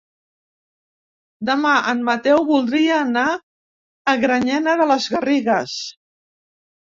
Demà en Mateu voldria anar a Granyena de les Garrigues.